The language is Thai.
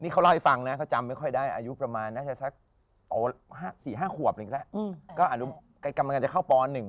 เขารอให้ฟังนะเขจำไม่ค่อยได้อายุประมาณน่าจะสัก๔๕ขวบเราถึงงานนึง